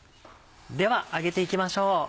では揚げていきましょう。